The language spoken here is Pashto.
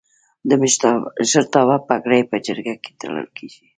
د مشرتابه پګړۍ په جرګه کې تړل کیږي.